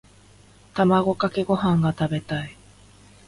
卵かけご飯が食べたい。